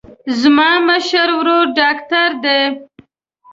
زما مشر ورور ډاکتر دی.